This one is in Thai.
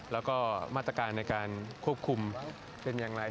แล้วก็มาตรการในการควบคุมเป็นอย่างไร